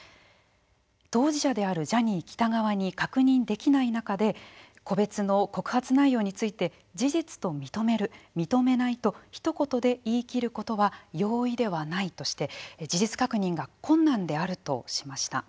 当事者であるジャニー喜多川に確認できない中で個別の告発内容について事実と認める認めないとひと言で言い切ることは容易ではないとして事実確認が困難であるとしました。